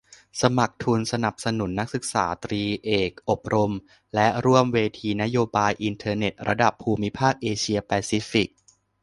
สมัครทุนสนับสนุนนักศึกษาตรี-เอก อบรมและร่วมเวทีนโยบายอินเทอร์เน็ตระดับภูมิภาคเอเชียแปซิฟิก